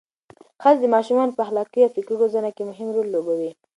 ښځې د ماشومانو په اخلاقي او فکري روزنه کې مهم رول لوبوي.